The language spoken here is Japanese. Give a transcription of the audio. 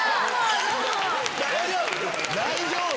大丈夫？